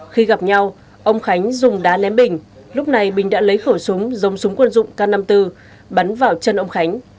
khi gặp nhau ông khánh dùng đá ném bình lúc này bình đã lấy khẩu súng giống súng quân dụng k năm mươi bốn bắn vào chân ông khánh